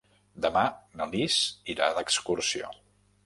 Demà na Lis irà d'excursió.